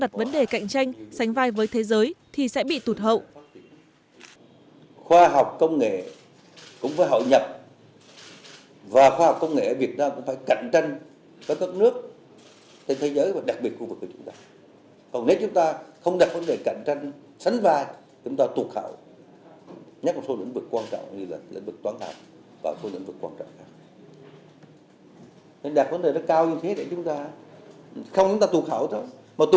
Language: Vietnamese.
đặt vấn đề cạnh tranh sánh vai với thế giới thì sẽ bị tụt hậu